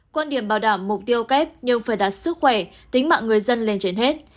quan điểm bảo đảm mục tiêu kép nhưng phải đặt sức khỏe tính mạng người dân lên trên hết